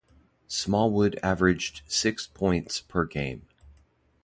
Smallwood averaged six points per game.